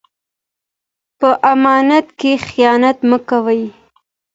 په امانت کې خیانت مه کوئ.